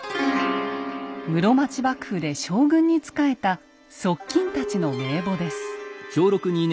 室町幕府で将軍に仕えた側近たちの名簿です。